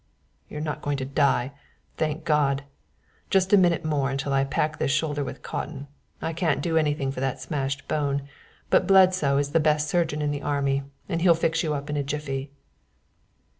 "You're not going to die, thank God! Just a minute more until I pack this shoulder with cotton. I can't do anything for that smashed bone, but Bledsoe is the best surgeon in the army, and he'll fix you up in a jiffy."